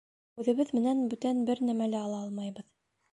— Үҙебеҙ менән бүтән бер нәмә лә ала алмайбыҙ.